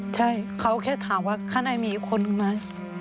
ใช่เขาแค่ถามว่าข้างในมีอีกคนนึงไหม